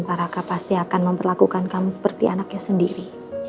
baraka pasti akan memperlakukan kamu seperti anaknya sendiri